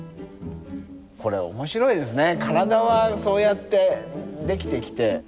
これ面白いですね。